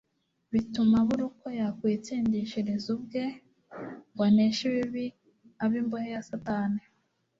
bitumaburuko yakwitsindishiriz ubge ngw aneshibibi Abimbohe ya Satani